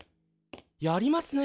やりますね